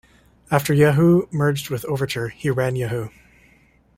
After Yahoo merged with Overture, he ran Yahoo!